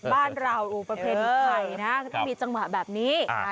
บ้านเราอูประเภทไอก้มันมีจังหวะแบบนี้